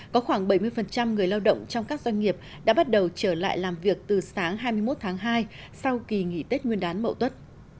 có khoảng bảy mươi người lao động trong các doanh nghiệp đã bắt đầu trở lại làm việc từ sáng hai mươi một tháng hai sau kỳ nghỉ tết nguyên đán mậu tuất